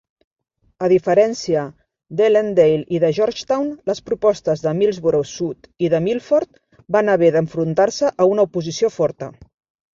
A diferència d'Ellendale i de Georgetown, les propostes de Millsboro-Sud i de Milford van haver d'enfrontar-se a una oposició forta.